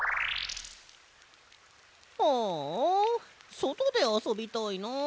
ああそとであそびたいな。